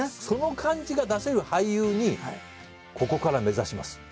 その感じが出せる俳優にここから目指します。